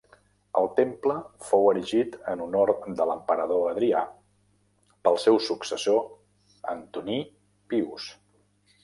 El temple fou erigit en honor de l'emperador Adrià pel seu successor Antoní Pius.